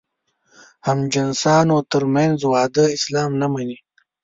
همجنسانو تر منځ واده اسلام نه مني.